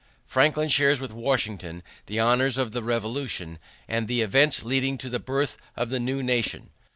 Franklin shares with Washington the honors of the Revolution, and of the events leading to the birth of the new nation.